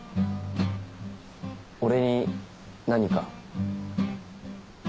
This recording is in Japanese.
俺に何か？